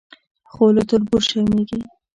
خو له تربور شرمېږي.